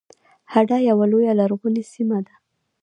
هډه یوه لویه لرغونې سیمه ده